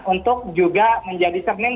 untuk juga menjadi sering